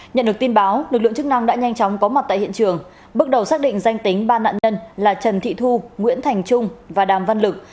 nhận được tin báo lực lượng chức năng đã nhanh chóng có mặt tại hiện trường bước đầu xác định danh tính ba nạn nhân là trần thị thu nguyễn thành trung và đàm văn lực